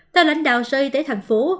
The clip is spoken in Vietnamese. theo lãnh đạo sở y tế thành phố